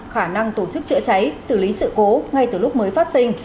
khả năng tổ chức chữa cháy xử lý sự cố ngay từ lúc mới phát sinh